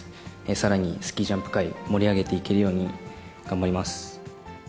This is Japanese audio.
さらにスキージャンプ界、盛り上げていけるように頑張ります。